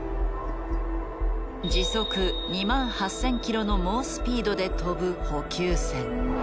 時速２万８，０００キロの猛スピードで飛ぶ補給船。